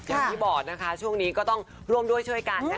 อย่างที่บอกนะคะช่วงนี้ก็ต้องร่วมด้วยช่วยกันนะคะ